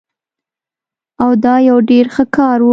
او دا يو ډير ښه کار وو